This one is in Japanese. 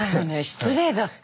失礼だったよね。